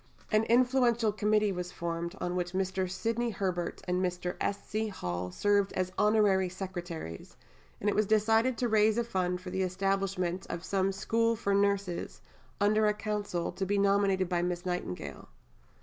An influential Committee was formed, on which Mr. Sidney Herbert and Mr. S. C. Hall served as honorary secretaries, and it was decided to raise a fund for the establishment of some School for Nurses, under a Council, to be nominated by Miss Nightingale.